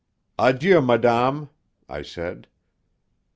"Adieu, madame," I said.